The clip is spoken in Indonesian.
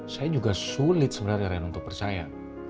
saya juga sulit sebenarnya ren untuk percaya